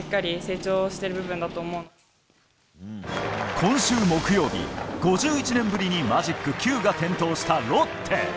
今週木曜日、５１年ぶりにマジック９が点灯したロッテ。